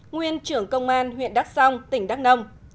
nguyên trưởng công an huyện đắk song tỉnh đắk nông